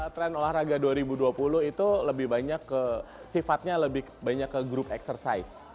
trend olahraga dua ribu dua puluh itu sifatnya lebih banyak ke grup eksersis